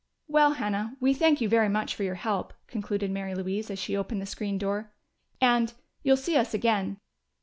"Well, Hannah, we thank you very much for your help," concluded Mary Louise as she opened the screen door. "And you'll see us again!"